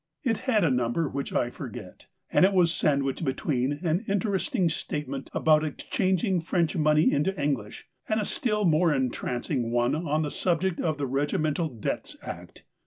It had a number which I forget, and it was sandwiched between an interesting statement about exchanging French money into English, and a still more entranc ing one on the subject of the Regimental Debts Act.